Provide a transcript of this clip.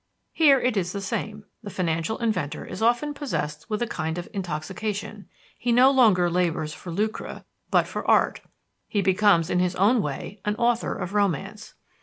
Here it is the same: the financial inventor is often possessed with a kind of intoxication he no longer labors for lucre, but for art; he becomes, in his own way, an author of romance.